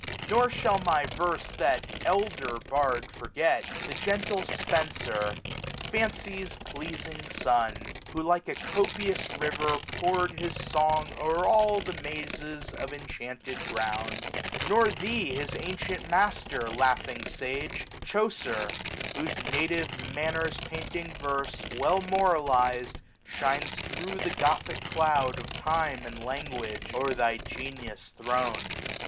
1570 Nor shall my verse that elder bard forget. The gentle Spenser, Fancy's pleasing son; Who, like a copious river, pour'd his song O'er all the mazes of enchanted ground : Nor thee, his antient master, laughing sage, 1575 Chauger, whose native manners painting verse, Well moraliz'd, shines thro' the Gothic cloud Of time and language o'er thy genius thrown.